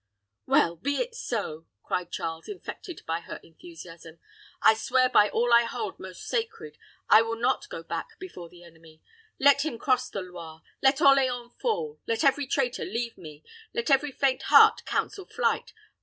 "Well, be it so," cried Charles, infected by her enthusiasm. "I swear by all I hold most sacred, I will not go back before the enemy. Let him cross the Loire let Orleans fall let every traitor leave me let every faint heart counsel flight.